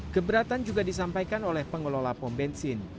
keberatan juga disampaikan oleh pengelola pembensin